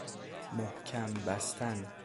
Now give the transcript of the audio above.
محکم بستن